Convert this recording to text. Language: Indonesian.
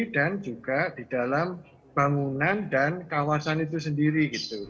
dan juga di dalam bangunan dan kawasan itu sendiri